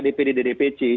dpd dan dpc